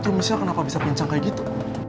tuh misha kenapa bisa kencang kayak gitu